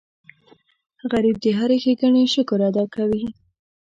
غریب د هرې ښېګڼې شکر ادا کوي